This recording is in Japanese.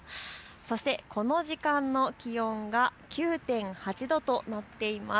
この時間の気温が９．８度となっています。